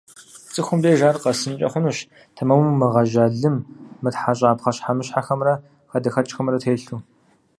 Цӏыхум деж ар къэсынкӏэ хъунущ тэмэму мыгъэжьа лым, мытхьэщӏа пхъэщхьэмыщхьэхэмрэ хадэхэкӏхэмрэ телъу.